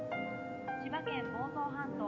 千葉県房総半島。